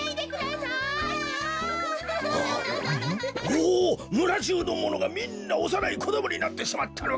おおむらじゅうのものがみんなおさないこどもになってしまったのか？